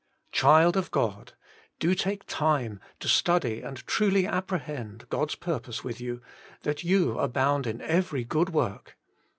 Child of God ! do take time to study and truly apprehend God's purpose with you, tliat you abound in every good work!